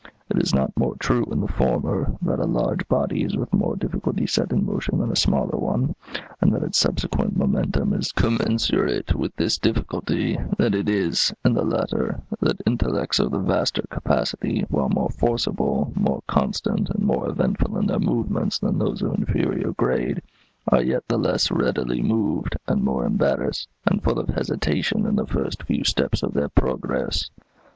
It is not more true in the former, that a large body is with more difficulty set in motion than a smaller one, and that its subsequent momentum is commensurate with this difficulty, than it is, in the latter, that intellects of the vaster capacity, while more forcible, more constant, and more eventful in their movements than those of inferior grade, are yet the less readily moved, and more embarrassed, and full of hesitation in the first few steps of their progress.